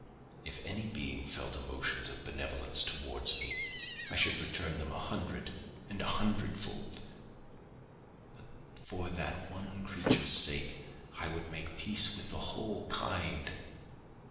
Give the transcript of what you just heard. If any being felt emotions of benevolence towards me, I should return them a hundred and a hundredfold; for that one creature's sake I would make peace with the whole kind!